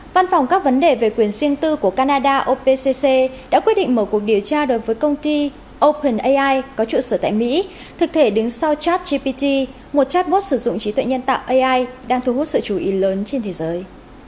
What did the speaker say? văn phòng các vấn đề về quyền riêng tư của canada opc đã quyết định mở cuộc điều tra đối với công ty open ai có trụ sở tại mỹ thực thể đứng sau chat gpt một chatbot sử dụng trí tuệ nhân tạo ai đang thu hút sự chú ý lớn trên thế giới